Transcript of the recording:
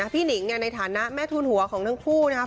หนิงในฐานะแม่ทูลหัวของทั้งคู่นะครับ